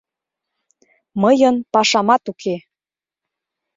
Мыйын пашамат уке!